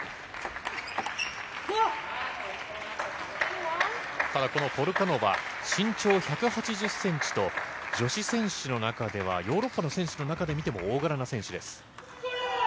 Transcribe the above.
ーただこのポルカノバ、身長１８０センチと、女子選手の中ではヨーロッパの選手の中で見ても大柄な選手です。